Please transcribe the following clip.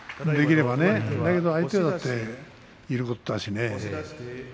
でも相手だっていることだしね